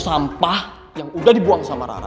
lo tuh sampah yang udah dibuang sama rara